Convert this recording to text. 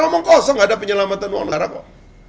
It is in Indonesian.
ngomong kosong ada penyelamatan uang negara kok